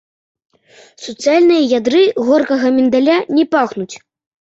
Суцэльныя ядры горкага міндаля не пахнуць.